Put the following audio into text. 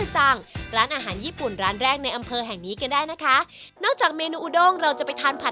วันหนายใช้ร้านที่คุณคิดรึเปล่า